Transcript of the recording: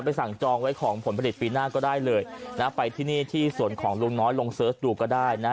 สั่งจองไว้ของผลผลิตปีหน้าก็ได้เลยนะไปที่นี่ที่สวนของลุงน้อยลงเสิร์ชดูก็ได้นะ